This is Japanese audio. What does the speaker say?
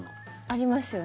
ありますよね。